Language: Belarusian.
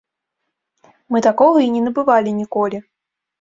Мы такога і не набывалі ніколі!